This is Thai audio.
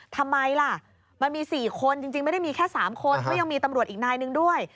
ทำไมล่ะมันมี๔คนจริงไม่ได้มีแค่๓คนก็ยังมีตำรวจอีกนายหนึ่งด้วย